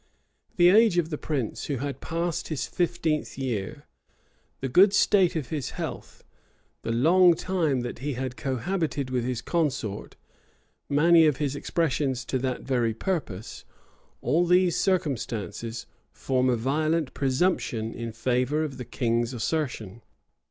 The age of the prince, who had passed his fifteenth year, the good state of his health, the long time that he had cohabited with his consort, many of his expressions to that very purpose; all these circumstances form a violent presumption in favor of the king's assertion.